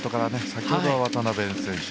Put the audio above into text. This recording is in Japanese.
先ほどは渡辺選手